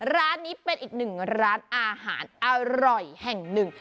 ร้านนี้เป็นอีกหนึ่งร้านอาหารอร่อยแห่งหนึ่ง